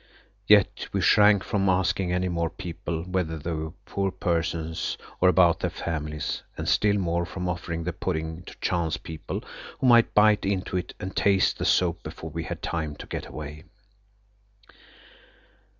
Yet we shrank from asking any more people whether they were poor persons, or about their families, and still more from offering the pudding to chance people who might bite into it and taste the soap before we had time to get away.